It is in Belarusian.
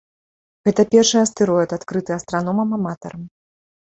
Гэта першы астэроід, адкрыты астраномам-аматарам.